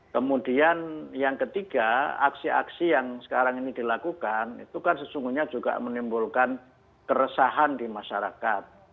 kemudian yang ketiga aksi aksi yang sekarang ini dilakukan itu kan sesungguhnya juga menimbulkan keresahan di masyarakat